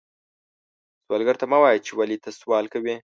سوالګر ته مه وایې چې ولې ته سوال کوې